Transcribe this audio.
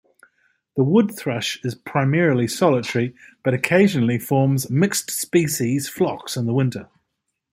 The wood thrush is primarily solitary, but occasionally forms mixed-species flocks in the winter.